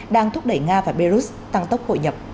đang thúc đẩy nga và belarus tăng tốc hội nhập